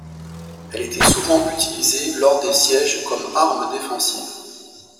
Elle était souvent utilisée lors des sièges comme arme défensive.